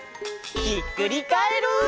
ひっくりカエル！